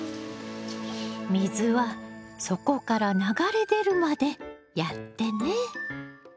水は底から流れ出るまでやってね。